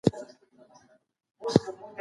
سیاست قدرت ته اړتیا پیدا کړې وه.